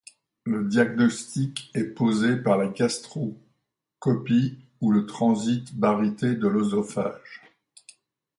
Le diagnostic est posé par la gastroscopie ou le transit baryté de l'œsophage.